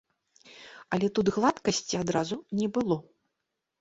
Але тут гладкасці адразу не было.